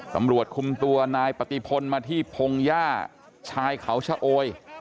ตำรวจคุมตัวนายปฏิพลมาที่พงหญ้าชายเขาชะโอย